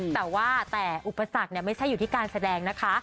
แต่ว่าแต่อุปสรรคไม่ใช่อยู่ที่การแสดงนะคะ